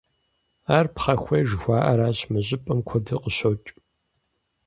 Ар пхъэхуей жыхуаӀэращ, мы щӀыпӀэм куэду къыщокӀ.